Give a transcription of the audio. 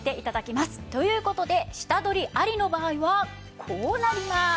という事で下取りありの場合はこうなります。